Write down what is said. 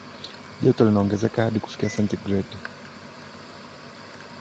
joto linaongezeka hadi kufikia senti gradi